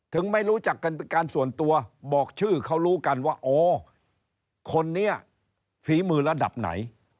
ไม่รู้จักกันเป็นการส่วนตัวบอกชื่อเขารู้กันว่าอ๋อคนนี้ฝีมือระดับไหน